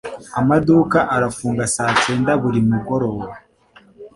Amaduka arafunga saa cyenda buri mugoroba.